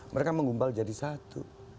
mereka menggumpal jadi satu